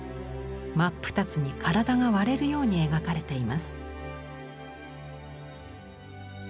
真っ二つに体が割れるように描かれています。